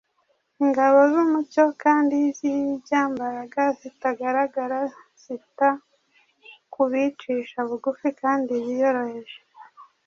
Ingabo z’umucyo kandi z’inyambaraga zitagaragara zita ku bicisha bugufi kandi biyoroheje,